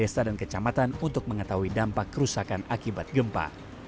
ketua kementerian kecamatan untuk mengetahui dampak kerusakan akibat gempa